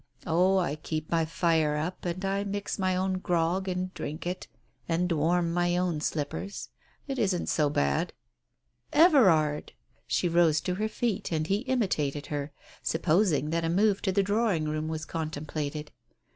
"Oh, I keep my fire up, and I mix my own grog and drink it, and warm my own slippers. It isn't so bad." " Everard !" She rose to her feet and he imitated her, supposing that a move to the drawing room was contemplated.